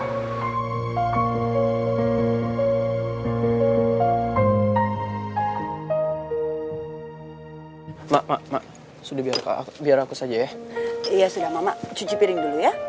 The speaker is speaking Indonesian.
rasanya juga melangx sura